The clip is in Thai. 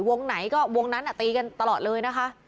วงไหนก็วงนั้นตีกันตลอดเลยนะคะ